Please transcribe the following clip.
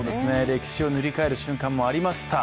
歴史を塗り替える瞬間もありました。